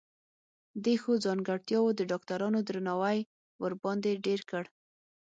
دې ښو ځانګرتياوو د ډاکټرانو درناوی ورباندې ډېر کړ.